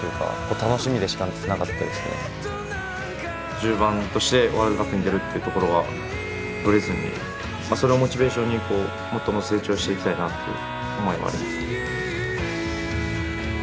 １０番としてワールドカップに出るっていうところはブレずにそれをモチベーションにこうもっと成長していきたいなっていう思いもありますね。